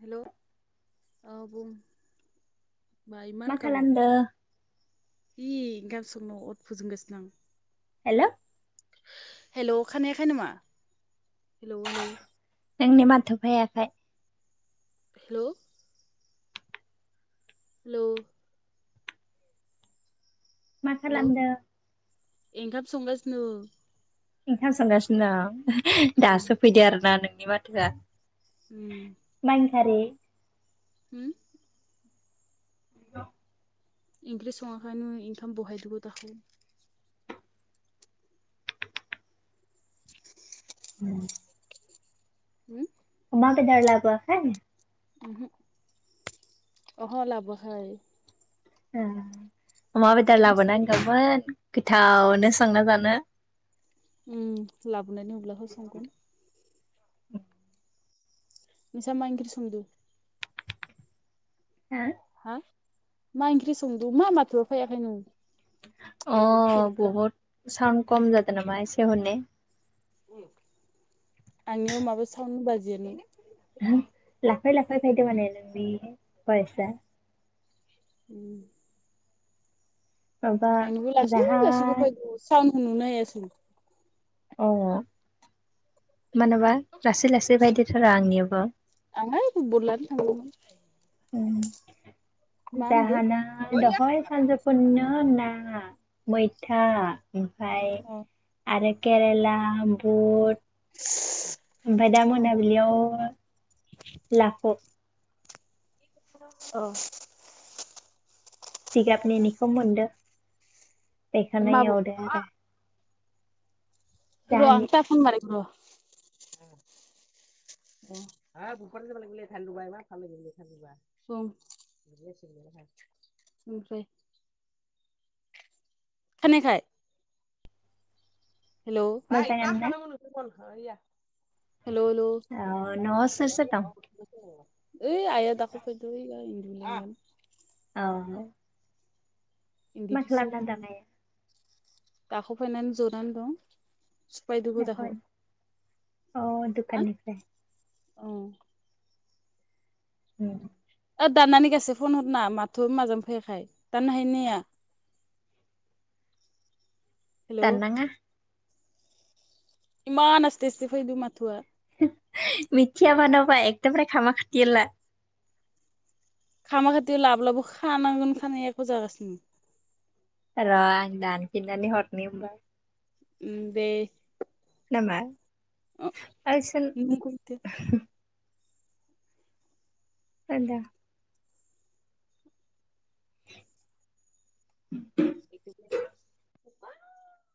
Hello औ बुं? मा इमान गाबाव हि गासन' अर फोजोंगासिनो आं हेल' हेलौ खानायाखै नामा? हेलौ हेलौ नोंनि माथो फायाखै हेल' हेलौ मा खालामदो? एंखाम संगासिनो। ओंखाम संगासिनो दं उम दासो फैदो आरोना नोंनि माथोआ अम मा ओंखारि अम [unintelligible] इंख्रि सङाखायनो ओंखाम बहायदोंबो अम हम अमा बेदर लाबो आखै ओमहो अह लाबो आखै अमा बेदर मिसा लाबोनांगौमोन गोथावनो संना जानो। अम लाबोनानै होब्ला हो संगोन। नोंसा मा ओंख्रि सोंदो हो हा मा ओंख्रि संदो मा माथो फैयाखै नों अ तेरिका बहुत साउन्द कम जादों नामा एसे हनाय आंनियाव माबा सावन बाजियानो लाखै लाखै फायदों माने नोंनि बइसा अम माबा आंनोबो लासै जाहा लासैबो फायदो साउ नुनो हायासै औ मानोबा लासै लासै फायदोथ'र आंनियाबो आं बोरलानो थांदोंमोन। अम मा होनदो जाहाना दहय साजफुनिनो ओ ना मैथा ओमफाय आरो केरेला बुट ओमफाय दा मोनाबिलियाव लाख' औ जिगाबनिनिखौ मोनदो अ बेखोनो माबु एवदो आरो। जाहानि [unintelligible] [unintelligible] ओमफ्राय खोनायाखै हेलौ मोजाङानो ना हेलौ हेलौ ओ न'आव सोर सोर दं। औ ओइया दाख' फैदो उरुनो औ इन्दि मा खालामना फिसिनि दं आइया दाख' फैनानै जनानै दं। दाखोन अ दुखाननिफ्राय [unintelligible] अम ओ दाननानै गासै फन हरना माथो माजों फैयाखै दाननो हायोना हाया हेलौ दान नांङा एमान आसथे आसथे फैदो माथोआ मिथिया मानोबा [unintelligible] [unintelligible] खानांगोन खानाया बेखौ जाजासिम र आं दानफिननानै हरनि होमबा अम दे नों खौ मिथिया [unintelligible] [unintelligible] [inaudible] [unintelligible]